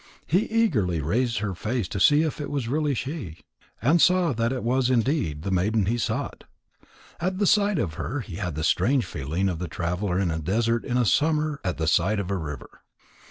He eagerly raised her face to see if it was really she, and saw that it was indeed the maiden he sought. At the sight of her he had the strange feeling of the traveller in a desert in summer at the sight of a river.